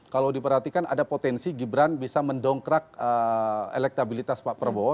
kalau diperhatikan ada potensi gibran bisa mendongkrak elektabilitas pak prabowo